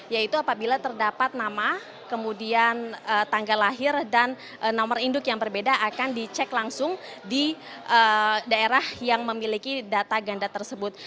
yaitu apabila terdapat nama kemudian tanggal lahir dan nomor induk yang berbeda akan dicek langsung di daerah yang memiliki data ganda tersebut